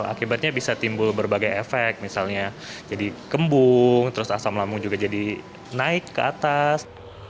akibatnya bisa timbul berbagai efek misalnya jadi kembung terus asam lambung juga jadi naik ke atas